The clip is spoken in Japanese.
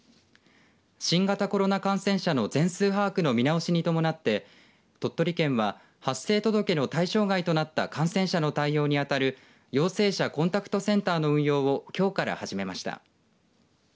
新型コロナ感染者の全数把握の見直しに伴って、鳥取県は発生届の対象外となった感染者の対応に当たる陽性者コンタクトセンターの運用をきょうから始めました。